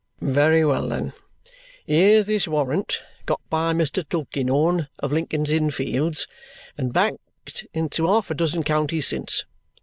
Very well, then; here's this warrant got by Mr. Tulkinghorn of Lincoln's Inn Fields, and backed into half a dozen counties since.